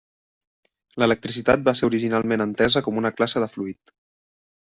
L'electricitat va ser originalment entesa com una classe de fluid.